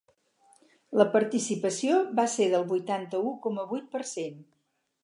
La participació va ser del vuitanta-u coma vuit per cent.